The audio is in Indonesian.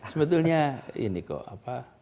sebetulnya ini kok